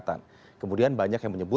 tim liputan cnn indonesia